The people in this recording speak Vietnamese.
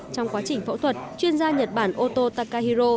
trong quá trình phẫu thuật chuyên gia nhật bản oto takahiro